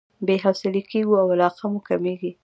بې حوصلې کېږو او علاقه مو کميږي.